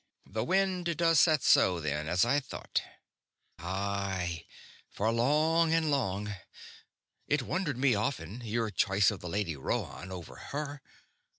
The wind does set so, then, as I thought." "Aye. For long and long. It wondered me often, your choice of the Lady Rhoann over her.